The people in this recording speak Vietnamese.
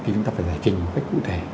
chúng ta phải giải trình một cách cụ thể